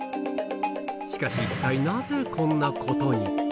しかし、一体なぜこんなことに。